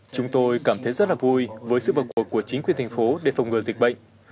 chúng tôi cảm thấy rất là vui với sự vào cuộc của chính quyền thành phố để phòng ngừa dịch bệnh